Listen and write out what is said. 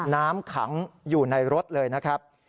น้ำขังอยู่ในรถเลยนะครับ